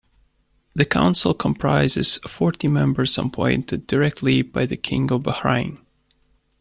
The Council comprises forty members appointed directly by the King of Bahrain.